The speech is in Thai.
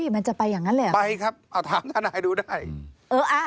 มันจะไปอย่างนั้นเลยหรือไปครับถามท่านายดูได้